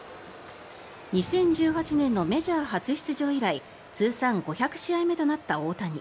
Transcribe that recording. ２０１８年のメジャー初出場以来通算５００試合目となった大谷。